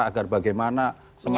agar bagaimana semangat